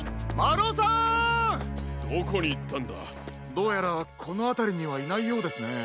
どうやらこのあたりにはいないようですね。